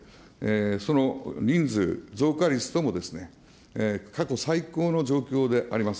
その人数、増加率ともですね、過去最高の状況であります。